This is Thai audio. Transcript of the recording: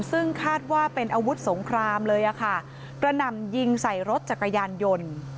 ซึ่งคาดว่าเป็นอาวุธสงครามเลยอะค่ะกระหน่ำยิงใส่รถจักรยานยนต์